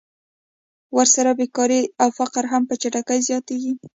ورسره بېکاري او فقر هم په چټکۍ زیاتېږي